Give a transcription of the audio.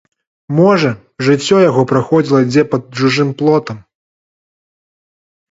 Можа, жыццё яго праходзіла дзе пад чужым плотам!